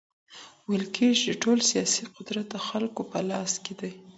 ويل کېږي چي ټول سياسي قدرت د خلګو په لاس کي دی.